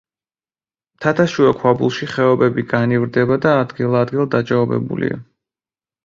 მთათაშუა ქვაბულებში ხეობები განივრდება და ადგილ-ადგილ დაჭაობებულია.